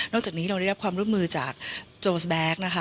นอกจากนี้เราได้รับความร่วมมือจากโจสแบ๊ก